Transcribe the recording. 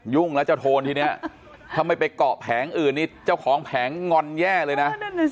่งแล้วเจ้าโทนทีนี้ถ้าไม่ไปเกาะแผงอื่นนี่เจ้าของแผงงอนแย่เลยนะ